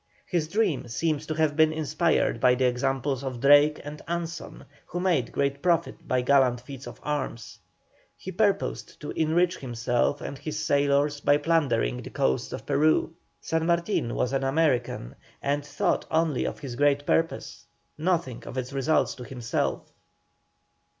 His dream seems to have been inspired by the examples of Drake and Anson, who made great profit by gallant feats of arms; he purposed to enrich himself and his sailors by plundering the coasts of Peru. San Martin was an American, and thought only of his great purpose, nothing of its results to himself.